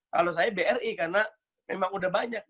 kalau saya bri karena memang udah banyak